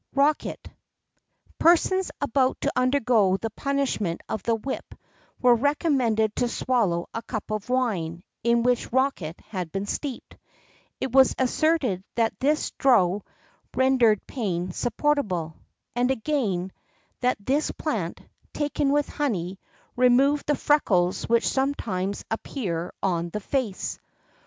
BOSC. ROCKET. Persons about to undergo the punishment of the whip were recommended to swallow a cup of wine, in which rocket had been steeped. It was asserted that this draught rendered pain supportable.[X 9] And again, that this plant, taken with honey, removed the freckles which sometimes appear on the face.